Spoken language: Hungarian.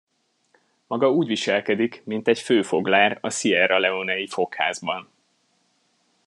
Maga úgy viselkedik, mint egy főfoglár a Sierra Leone-i fogházban.